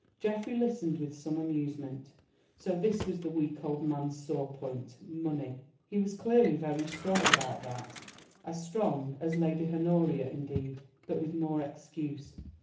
Geoffrey listened with some amusement. So this was the weak old man's sore point—money. He was clearly very strong about that—as strong as Lady Honoria indeed, but with more excuse.